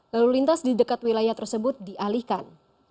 lalu lintas di dekat wilayah tersebut dialihkan